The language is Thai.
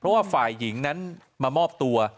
เพราะว่าฝ่ายหญิงนั้นมามอบตัว